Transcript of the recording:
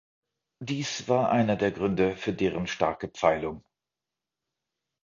Dies war einer der Gründe für deren starke Pfeilung.